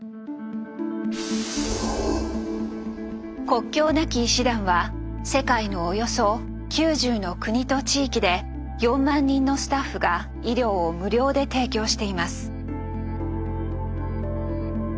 国境なき医師団は世界のおよそ９０の国と地域で４万人のスタッフが医療を無料で提供しています。